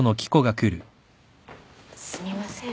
すみません。